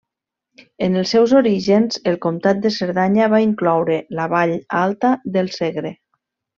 En els seus orígens, el comtat de Cerdanya va incloure la vall alta del Segre.